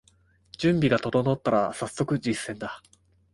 準備が整ったらさっそく実践だ